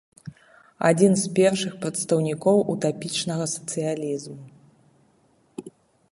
Адзін з першых прадстаўнікоў утапічнага сацыялізму.